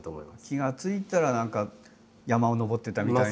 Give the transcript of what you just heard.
気が付いたら何か山を登ってたみたいな。